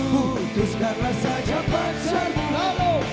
putuskanlah saja pacarmu